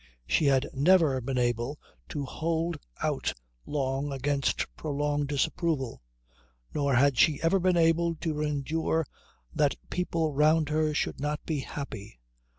She had never been able to hold out long against prolonged disapproval; nor had she ever been able to endure that people round her should not be happy.